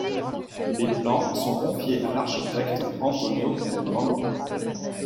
Les plans sont confiés à l'architecte Antonio del Grande.